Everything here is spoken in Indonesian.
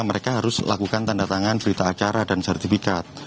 mereka harus lakukan tanda tangan berita acara dan sertifikat